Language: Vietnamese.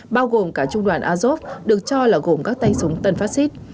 bao gồm cả trung đoàn azov được cho là gồm các tay súng tân phát xít